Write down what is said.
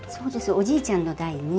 おじいちゃんの代に。